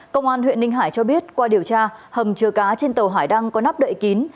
công an huyện ninh hải cho biết qua điều tra hầm chứa cá trên tàu hải đăng có nắp đậy kín